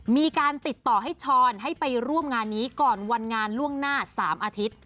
มีการติดต่อให้ช้อนให้ไปร่วมงานนี้ก่อนวันงานล่วงหน้า๓อาทิตย์